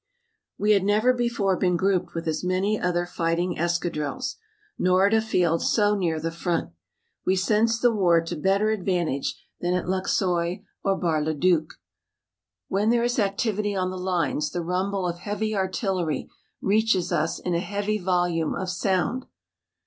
We had never before been grouped with as many other fighting escadrilles, nor at a field so near the front. We sensed the war to better advantage than at Luxeuil or Bar le Duc. When there is activity on the lines the rumble of heavy artillery reaches us in a heavy volume of sound.